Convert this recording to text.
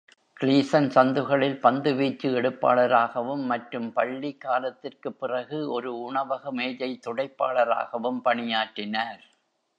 Gleeson சந்துகளில் பந்துவீச்சு எடுப்பாளராகவும் மற்றும் பள்ளி காலத்திற்க்கு பிறகு ஒரு உணவக மேஜை துடைப்பாளராகவும் பணியாற்றினார்.